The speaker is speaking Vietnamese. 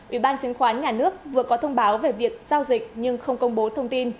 ủy ban chứng khoán nhà nước vừa có thông báo về việc giao dịch nhưng không công bố thông tin